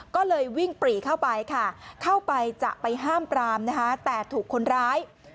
ก็เลยวิ่งปรีเข้าไปค่ะเข้าไปจะไปห้ามปรามนะคะแต่ถูกคนร้าย